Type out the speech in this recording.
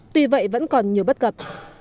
tuy vậy vẫn còn nhiều bất cập